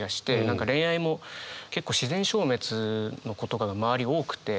何か恋愛も結構自然消滅の子とかが周り多くて。